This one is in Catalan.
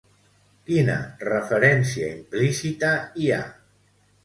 Quina referència implícita hi ha?